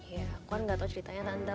ya aku kan nggak tau ceritanya tante